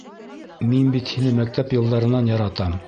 Мин бит һине мәктәп йылдарынан яратам.